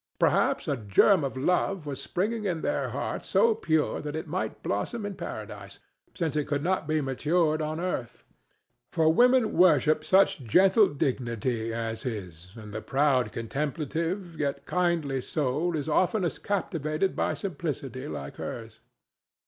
Perhaps a germ of love was springing in their hearts so pure that it might blossom in Paradise, since it could not be matured on earth; for women worship such gentle dignity as his, and the proud, contemplative, yet kindly, soul is oftenest captivated by simplicity like hers.